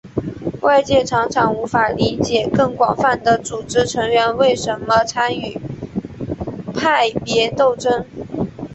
外界常常无法理解更广泛的组织成员为什么参与派别斗争。